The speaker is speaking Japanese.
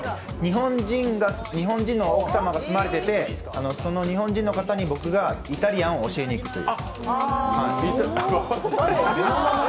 日本人の奥様が住まれていて、その日本人の方に僕がイタリアンを教えに行くという。